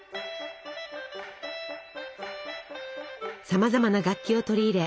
さまざまな楽器を取り入れ